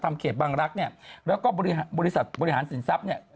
เขตบางรักษ์เนี่ยแล้วก็บริษัทบริหารสินทรัพย์เนี่ย